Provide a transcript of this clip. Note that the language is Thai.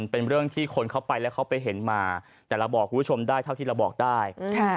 เป็นเรื่องที่คนเข้าไปแล้วเขาไปเห็นมาแต่เราบอกคุณผู้ชมได้เท่าที่เราบอกได้